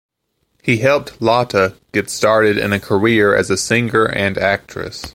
He helped Lata get started in a career as a singer and actress.